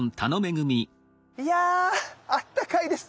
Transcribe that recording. いやあったかいです。